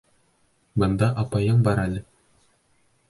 Бында апайың бар әле.